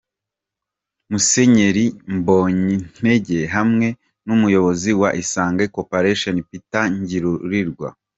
Musenyeri Mbonyintege hamwe n'umuyobozi wa Isange Corporation Peter Ntigurirwa.